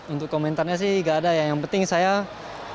untuk komentarnya sih gak ada ya yang penting saya